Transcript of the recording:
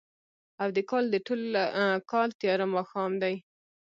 او د کال، د ټوله کال تیاره ماښام دی